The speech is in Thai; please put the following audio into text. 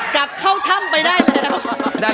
กลับเข้าถ้ำไปได้เลยนะครับ